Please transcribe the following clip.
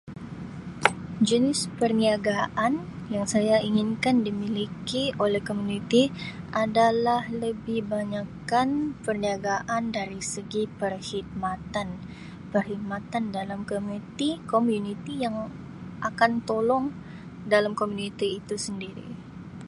Jenis perniagaan yang saya inginkan dimiliki oleh komuniti adalah lebih banyakkan perniagaan dari segi perkhidmatan, perkhidmatan dalam komuniti komuniti yang akan tolong dalam komuniti itu sendiri.